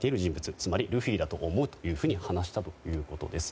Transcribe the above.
つまりルフィだと思うと話したということです。